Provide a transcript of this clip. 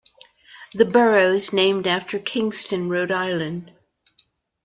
The borough is named after Kingston, Rhode Island.